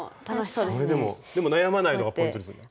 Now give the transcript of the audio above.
でも悩まないのがポイントですよね。